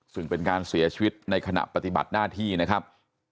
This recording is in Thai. ซึ่งเป็นการเสียชีวิตในขณะปฏิบัติหน้าที่นะครับ